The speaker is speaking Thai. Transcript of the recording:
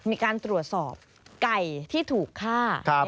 มีการตรวจสอบไก่ที่ถูกฆ่า